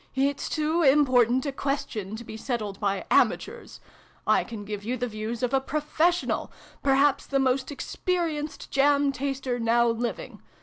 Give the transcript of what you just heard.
" It's too important a question to be settled by Amateurs ! I can give you the views of a Professional perhaps the most experienced jam taster now living.